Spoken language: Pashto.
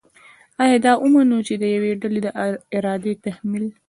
آیا دا ومنو چې د یوې ډلې د ارادې تحمیل